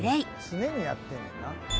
常にやってんねんな。